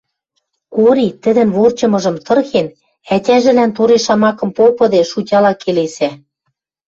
Кори тӹдӹн ворчымыжым тырхен, ӓтяжӹлӓн тореш шамакым попыде, шутяла келесӓ